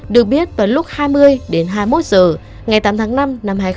được biết vào lúc hai mươi đến hai mươi một h ngày tám tháng năm năm hai nghìn hai mươi ba